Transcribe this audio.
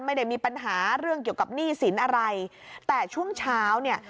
ไม่ได้มีปัญหาเรื่องเกี่ยวกับหนี้สินอะไรแต่ช่วงเช้าเนี่ย